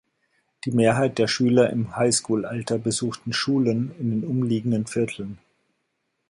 Die Mehrheit der Schüler im Highschool-Alter besuchten Schulen in den umliegenden Vierteln.